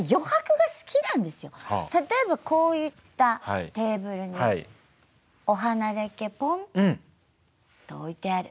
例えばこういったテーブルにお花だけポンと置いてある。